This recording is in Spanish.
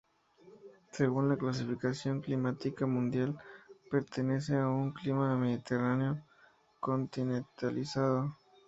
Según la clasificación climática mundial pertenece a un clima mediterráneo continentalizado.